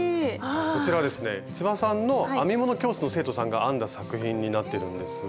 こちらはですね千葉さんの編み物教室の生徒さんが編んだ作品になってるんですが。